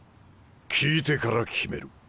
聞いてから決める。